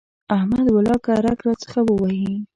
احمد ولاکه رګ راڅخه ووهي.